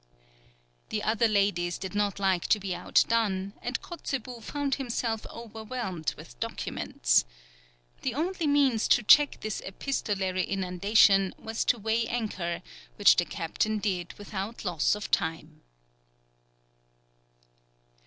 The other ladies did not like to be outdone, and Kotzebue found himself overwhelmed with documents. The only means to check this epistolatory inundation was to weigh anchor, which the captain did without loss of time.